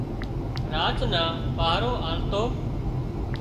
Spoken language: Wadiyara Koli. راچ نان پاهرو آلتو